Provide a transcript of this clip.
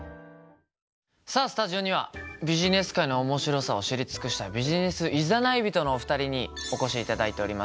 さあスタジオにはビジネス界の面白さを知り尽くしたビジネス誘い人のお二人にお越しいただいております。